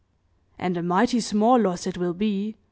"And a mighty small loss it will be!"